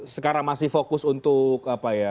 sekarang masih fokus untuk